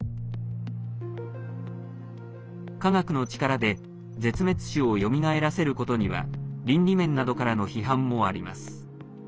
科学の力で絶滅種をよみがえらせることには倫理面などからの批判もあります。